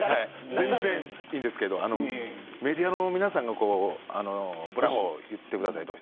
全然いいんですけどメディアの皆さんがブラボー言ってくださいとか。